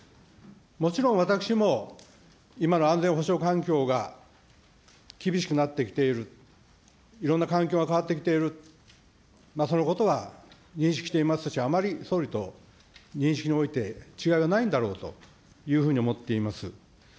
もちろん私も、今の安全保障環境が厳しくなってきている、いろんな環境が変わってきている、そのことは認識していますし、あまり総理と認識において違いはないんだろうというふうに思っています。